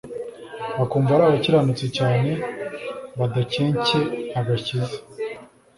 bakumva ari abakiranutsi cyane badakencye agakiza,